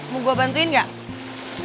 mau gue bantuin gak